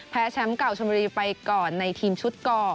แชมป์เก่าชนบุรีไปก่อนในทีมชุดก่อ